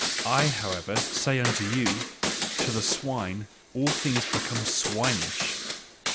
I, however, say unto you: To the swine all things become swinish!